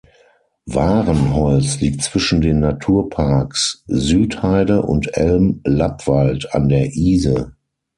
Wahrenholz liegt zwischen den Naturparks Südheide und Elm-Lappwald an der Ise.